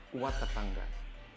kuat atau nggak